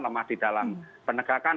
lemah di dalam penegakan